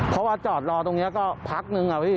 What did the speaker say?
เพราะว่าจอดรอตรงนี้ก็พักหนึ่ง